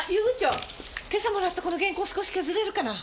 今朝もらったこの原稿少し削れるかな？